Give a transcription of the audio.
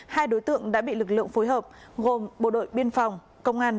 hai đối tượng đã bị lực lượng phối hợp gồm bộ đội biên phòng công an